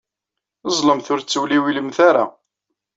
Ẓẓlemt, ur ttewliwilemt ara.